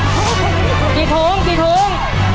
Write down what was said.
จีดถุงจีดถุง